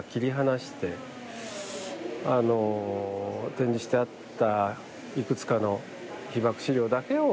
展示してあった。